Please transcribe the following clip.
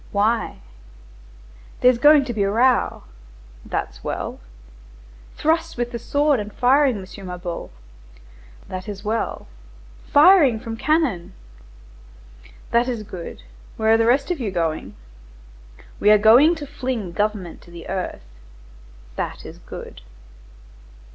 "Why?" "There's going to be a row." "That's well." "Thrusts with the sword and firing, M. Mabeuf." "That is well." "Firing from cannon." "That is good. Where are the rest of you going?" "We are going to fling the government to the earth." "That is good."